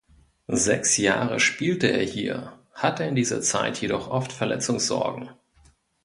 Sechs Jahre spielte er hier, hatte in dieser Zeit jedoch oft Verletzungssorgen.